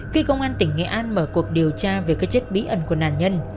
khi công an tỉnh nghệ an mở cuộc điều tra về cất chết bí ẩn của nạn nhân